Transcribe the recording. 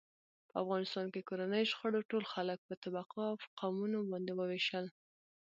په افغانستان کې کورنیو شخړو ټول خلک په طبقو او قومونو باندې و وېشل.